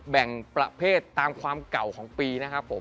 แบ่งประเภทตามความเก่าของปีนะครับผม